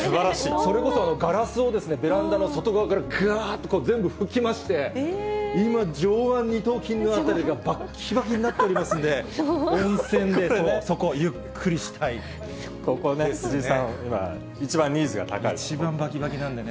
それこそガラスをベランダの外側からぐわーっと全部拭きまして、今、上腕二頭筋あたりがばっきばきになっておりますので、ここね、藤井さん、一番ニー一番ばきばきなんでね。